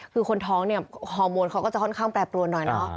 คือคนท้องเนี่ยฮอร์โมนเขาก็จะค่อนข้างแปรปรวนหน่อยเนาะ